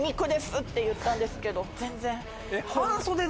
って言ったんですけど全然。